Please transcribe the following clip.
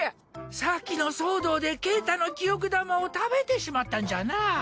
さっきの騒動でケータの記憶玉を食べてしまったんじゃな。